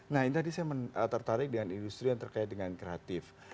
nah ini tadi saya tertarik dengan industri yang terkait dengan kreatif